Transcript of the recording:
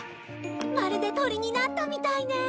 まるで鳥になったみたいね！